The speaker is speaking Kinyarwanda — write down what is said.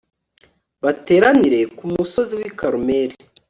bateranire ku musozi wi Karumeli